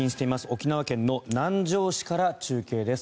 沖縄県の南城市から中継です。